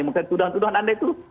maksudnya tuduhan tuduhan anda itu